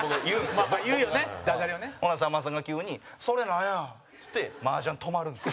粗品：ほんなら、さんまさんが急に「それ、なんや？」っつって麻雀、止まるんですよ。